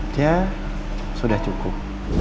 dia sudah cukup